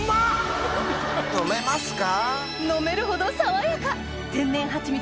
飲めますか？